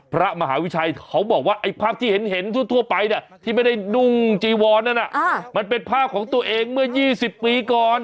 พระมหาวิชัยเขาบอกว่าไอ้ภาพที่เห็นทั่วไปที่ไม่ได้นุ่งจีวอนนั้นมันเป็นภาพของตัวเองเมื่อ๒๐ปีก่อน